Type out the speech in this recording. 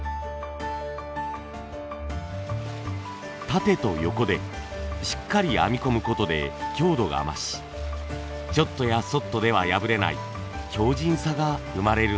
縦と横でしっかり編み込む事で強度が増しちょっとやそっとでは破れない強じんさが生まれるんです。